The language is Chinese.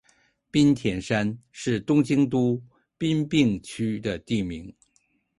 滨田山是东京都杉并区的地名。